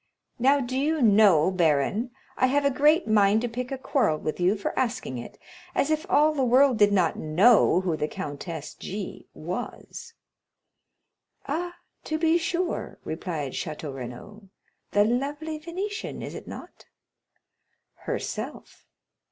Now, do you know, baron, I have a great mind to pick a quarrel with you for asking it; as if all the world did not know who the Countess G—— was." "Ah, to be sure," replied Château Renaud; "the lovely Venetian, is it not?" "Herself."